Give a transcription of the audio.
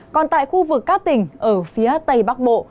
còn tại khu vực các tỉnh ở phía tây bắc bộ